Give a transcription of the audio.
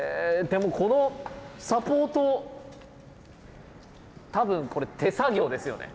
でもこのサポート多分これ手作業ですよね。